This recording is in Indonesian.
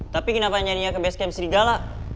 tapi kenapa nyari nya ke basecamp serigala